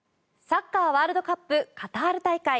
サッカーワールドカップカタール大会